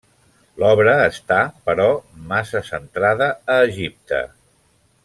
L'obra està, però, massa centrada a Egipte.